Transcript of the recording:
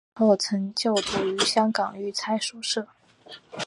小时候曾就读于香港育才书社。